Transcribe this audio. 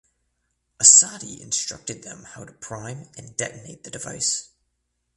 Assadi instructed them how to prime and detonate the device.